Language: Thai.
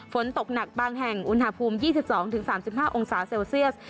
ฝนตกหนักบางแห่งอุณหภูมิ๒๒๓๕องศาเซลเซียส